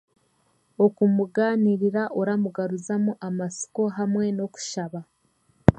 Okumugaanirira oramugaruzamu amatsiko hamwe n'okushaba